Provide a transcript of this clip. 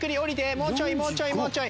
もうちょいもうちょいもうちょい。